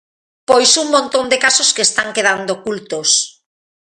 Pois un montón de casos que están quedando ocultos.